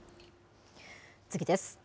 次です。